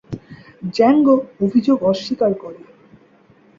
Zango অভিযোগ অস্বীকার করে।